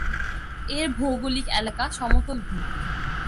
এর ভৌগোলিক এলাকা সমতল ভূমি।